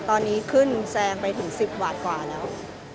ตอนนี้ขึ้นแซงไปถึง๑๐บาทกว่าแล้ว